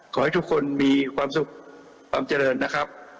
ขอให้ทุกคนมีความสุขความเจริญนะครับ